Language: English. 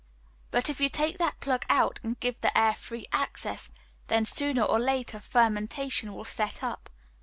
But if you take that plug out and give the air free access, then, sooner or later fermentation will set up.